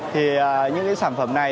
thì những cái sản phẩm này